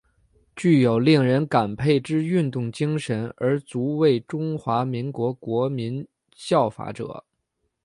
具有令人感佩之运动精神而足为中华民国国民效法者。